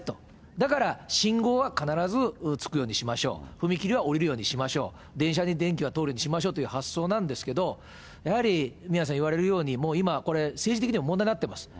だから、信号は必ずつくようにしましょう、踏切は下りるようにしましょう、電車に電気が通るようにしましょうという発想なんですけれども、やはり、宮根さん言われるように、もう今これ、政治的にも問題になっています。